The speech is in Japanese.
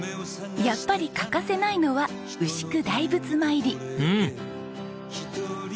やっぱり欠かせないのは牛久大仏参り。